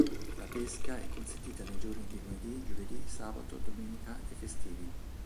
La pesca è consentita nei giorni di lunedì, giovedì, sabato, domenica e festivi.